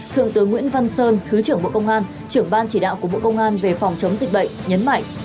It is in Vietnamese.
thượng tướng nguyễn văn sơn thứ trưởng bộ công an trưởng ban chỉ đạo của bộ công an về phòng chống dịch bệnh nhấn mạnh